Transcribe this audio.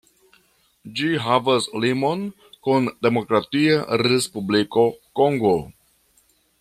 Ĝi havas limon kun Demokratia Respubliko Kongo.